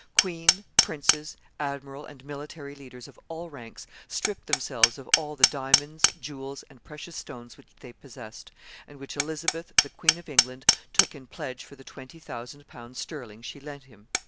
Queen, princes, admiral, and military leaders of all ranks stripped themselves of all the diamonds, jewels, and precious stones which they possessed, and which Elizabeth, the Queen of England, took in pledge for the twenty thousand pounds sterling she lent him.